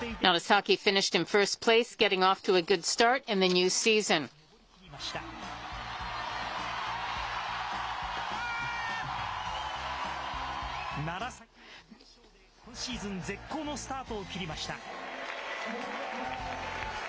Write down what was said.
楢崎は優勝で、今シーズン、絶好のスタートを切りました。